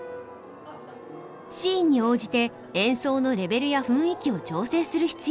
シーンに応じて演奏のレベルや雰囲気を調整する必要があります。